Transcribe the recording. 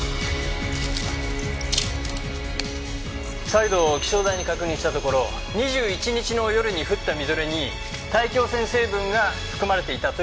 再度気象台に確認したところ２１日の夜に降ったみぞれに大気汚染成分が含まれていたという事がわかりました。